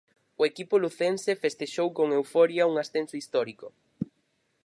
O equipo lucense festexou con euforia un ascenso histórico.